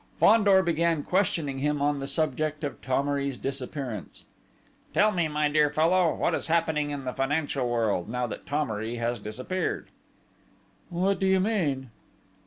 Fandor began questioning him on the subject of Thomery's disappearance. "Tell me, my dear fellow, what is happening in the financial world, now that Thomery has disappeared." "What do you mean?"